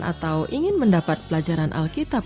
atau ingin mendapat pelajaran alkitab